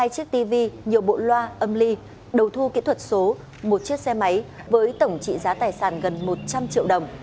hai chiếc tv nhiều bộ loa âm ly đầu thu kỹ thuật số một chiếc xe máy với tổng trị giá tài sản gần một trăm linh triệu đồng